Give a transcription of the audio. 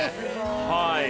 はい。